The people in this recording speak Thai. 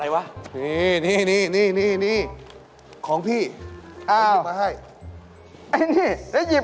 แป้งทอดกรอบ